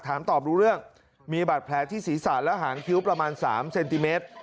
ถามตอบรู้เรื่องมีบาดแผลที่ศีรษะและหางคิ้วประมาณ๓เซนติเมตร